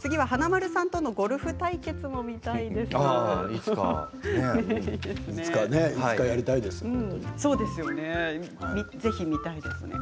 次は華丸さんとのゴルフ対決も見たいですといういいですね。